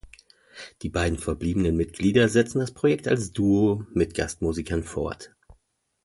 Die beiden verbliebenen Mitglieder setzen das Projekt als Duo mit Gastmusikern fort.